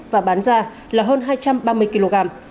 và bán ra là hơn hai trăm ba mươi kg